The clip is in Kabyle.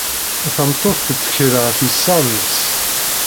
Tameṭṭut tettkel ɣef yiseɣ-nnes.